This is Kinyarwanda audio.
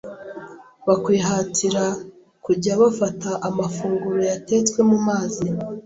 bakwihatira kujya bafata amafunguro yatetswe mu mazi